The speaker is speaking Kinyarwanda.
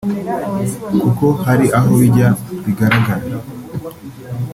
kuko hari aho bijya bigaragara